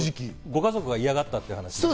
ご家族が嫌がったとか。